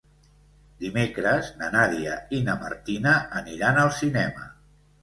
Dimecres na Nàdia i na Martina aniran al cinema.